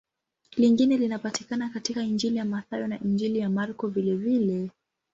Lingine linapatikana katika Injili ya Mathayo na Injili ya Marko vilevile.